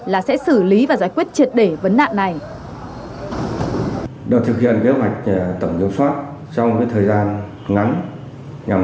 là sẽ xử lý và giải quyết triệt để vấn nạn này